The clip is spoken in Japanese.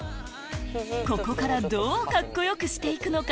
ここからどうカッコよくしていくのか？